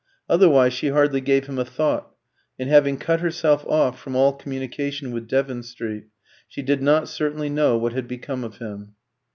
Otherwise she hardly gave him a thought; and having cut herself off from all communication with Devon Street, she did not certainly know what had become of him.